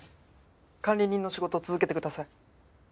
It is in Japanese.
管理人の仕事続けてください。